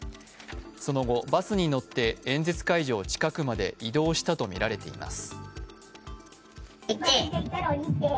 その後、バス乗って演説会場近くまで移動したとみられています。